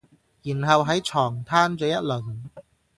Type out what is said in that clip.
然後喺床攤咗一輪